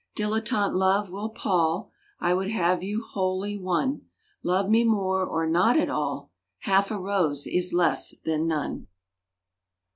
Dilletante love will pall, I would have you wholly won;— Love me more or not at all; Half a rose is less than none!